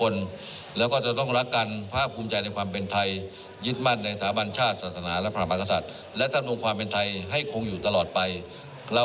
นอกจากนี้นายกรัฐมนตรีโชว์ลุคคอด้วยค่ะ